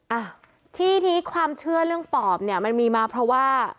อ่ะที่นี้ความเชื่อเรื่องปอบเนี่ยมันมีมาเพราะว่า